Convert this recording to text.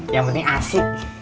yang penting asik